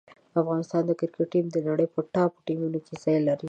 د افغانستان کرکټ ټیم د نړۍ په ټاپ ټیمونو کې ځای لري.